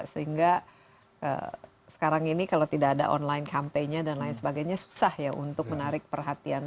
sehingga sekarang ini kalau tidak ada online campaign nya dan lain sebagainya susah ya untuk menarik perhatian